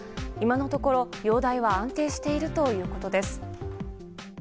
今のところ、容体は安定しているということです。